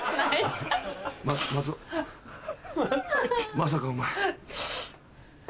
まさかお前。